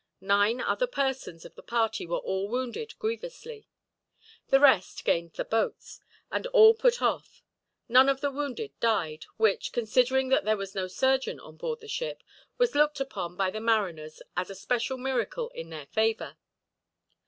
Nine other persons of the party were all wounded grievously. The rest gained the boats, and all put off. None of the wounded died; which, considering that there was no surgeon on board the ship, was looked upon by the mariners as a special miracle in their favor.